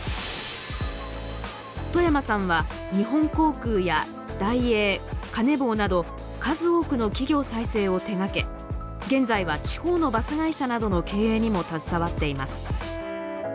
冨山さんは日本航空やダイエーカネボウなど数多くの企業再生を手がけ現在は地方のバス会社などの経営にも携わっています。